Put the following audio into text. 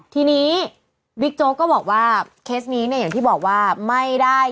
ทีนี้บิ๊กโจ๊กก็บอกว่าเคสนี้เนี่ยอย่างที่บอกว่าไม่ได้